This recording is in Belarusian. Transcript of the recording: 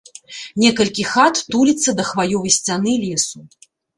Некалькі хат туліцца да хваёвай сцяны лесу.